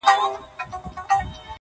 گراني ټوله شپه مي.